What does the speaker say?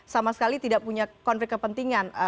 sama sekali tidak punya konflik kepentingan